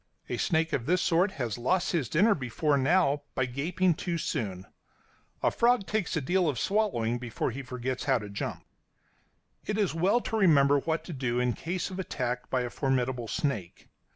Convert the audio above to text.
A snake of this sort has lost his dinner before now by gaping too soon; a frog takes a deal of swallowing before he forgets how to jump. [Illustration: THE SNAKE THAT GAPED: A MORAL LESSON.] It is well to remember what to do in case of attack by a formidable snake.